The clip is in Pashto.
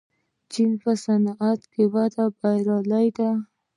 چین په صنعتي وده کې بریالی دی.